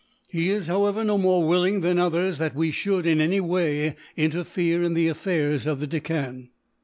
He is, however, no more willing than others that we should, in any way, interfere in the affairs of the Deccan."